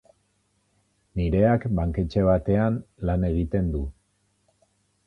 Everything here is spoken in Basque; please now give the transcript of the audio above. Nireak banketxe batean lan egiten du.